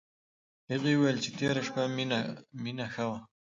هغې وویل چې تېره شپه مينه ښه وه